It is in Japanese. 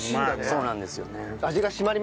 そうなんですよ。